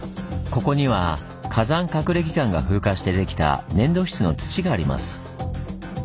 ここには火山角れき岩が風化してできた粘土質の土があります。